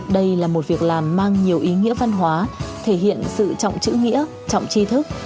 đây là một việc làm mang nhiều ý nghĩa văn hóa thể hiện sự trọng chữ nghĩa trọng chi thức